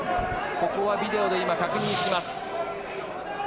ここはビデオで今、確認します。